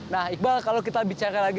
nah iqbal kalau kita bicara lagi